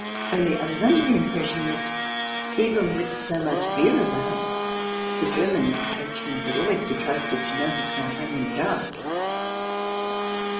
Only, I was under the impression that, even with so CH. VI] BEER GARDENS 87 much beer about, the German coachman could always be trusted to know his way home in the dark.